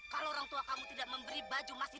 kalau orang tua kamu tidak memberi baju mas itu